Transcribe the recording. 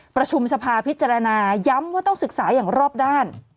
ประชุมสภาพิจารณาย้ำว่าต้องศึกษาอย่างรอบด้าน